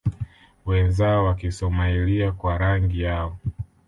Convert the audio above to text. wenzao wa Kisomailia kwa rangi yao